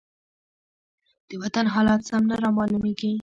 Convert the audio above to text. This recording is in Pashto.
د وطن حالات سم نه رامالومېږي.